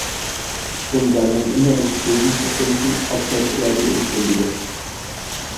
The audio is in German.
Um seinen inneren Frieden zu finden, opfert er die Unschuldige.